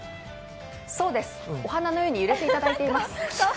そうです、お花のように揺れていただいています。